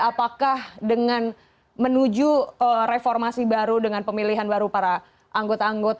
apakah dengan menuju reformasi baru dengan pemilihan baru para anggota anggota